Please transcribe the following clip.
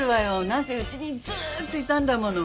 何せうちにずっといたんだもの。